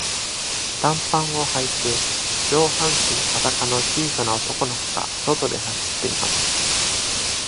短パンを履いて上半身裸の小さな男の子が外で走っています。